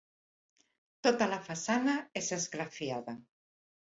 Tota la façana és esgrafiada.